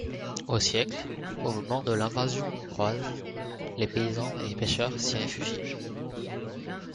Au siècle, au moment de l'invasion hongroise, les paysans et pêcheurs s'y réfugient.